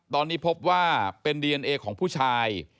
ตอนนี้พบว่าเป็นดีเอนเอของผู้ชาย